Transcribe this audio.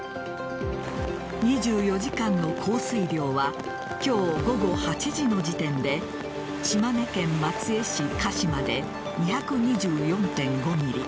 ２４時間の降水量は今日午後８時の時点で島根県松江市鹿島で２２４．５ｍｍ